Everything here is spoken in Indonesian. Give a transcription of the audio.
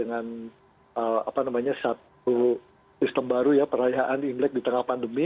dengan satu sistem baru ya perayaan imlek di tengah pandemi